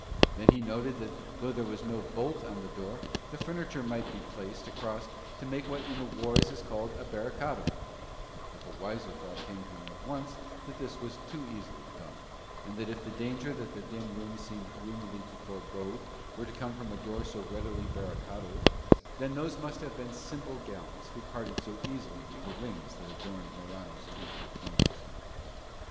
Then he noted that though there was no bolt on the door the furniture might be placed across to make what in the wars is called a barricado, but the wiser thought came at once that this was too easily done, and that if the danger that the dim room seemed gloomily to forebode were to come from a door so readily barricadoed, then those must have been simple gallants who parted so easily with the rings that adorned Morano's two little fingers.